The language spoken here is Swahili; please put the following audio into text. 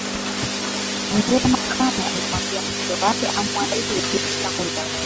Mzee Makame alimwambia mke wake amuandalie mgeni chakula